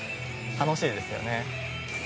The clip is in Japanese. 楽しいですよね。